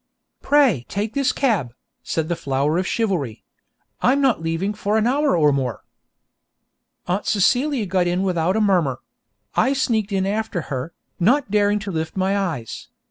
'Pray take this cab,' said the flower of chivalry. 'I am not leaving for an hour or more.' Aunt Celia got in without a murmur; I sneaked in after her, not daring to lift my eyes.